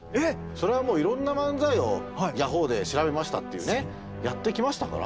それはもういろんな漫才を「ヤホーで調べました」っていうねやってきましたから。